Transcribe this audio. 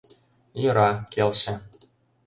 Йӧра, келше.